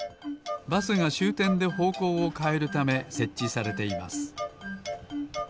バスがしゅうてんでほうこうをかえるためせっちされています。